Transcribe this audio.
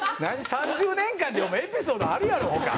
３０年間でお前エピソードあるやろ他。